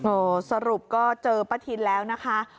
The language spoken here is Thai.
สรุปก็เจอป้าทินแล้วนะคะ